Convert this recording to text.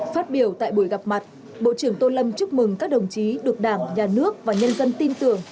phát biểu tại buổi gặp mặt bộ trưởng tô lâm chúc mừng các đồng chí được đảng nhà nước và nhân dân tin tưởng